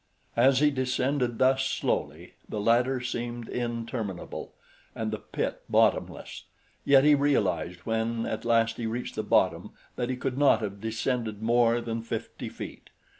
As he descended thus slowly, the ladder seemed interminable and the pit bottomless, yet he realized when at last he reached the bottom that he could not have descended more than fifty feet.